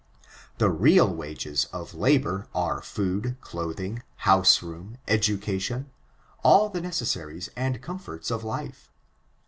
The real wages of labor are food, clothing, houseroom, education — all the necessaries and comforts of life.